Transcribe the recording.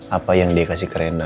apa yang dia kasih ke rena